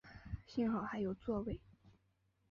幸好还有座位